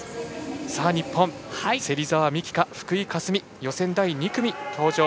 さあ、日本芹澤美希香、福井香澄予選第２組に登場。